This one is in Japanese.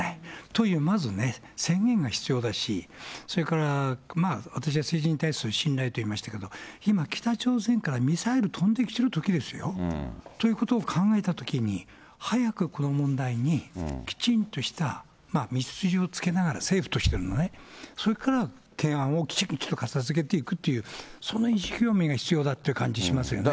とはいえ、まずね、宣言が必要だし、それから、私は政治に対する信頼と言いましたけど、今、北朝鮮からミサイル飛んできてるときですよ。ということを考えたときに、早くこの問題に、きちんとした道筋をつけながら、政府としてのね、それから提案をきちんと片づけていくという、その意思表明が必要だという感じがしますよね。